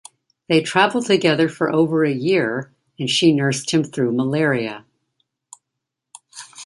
They travelled together for over a year and she nursed him through malaria.